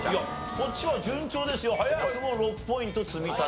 こっちは順調ですよ。早くも６ポイント積み立て。